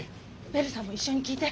ベルさんも一緒に聞いて。